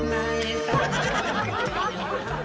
ในใจ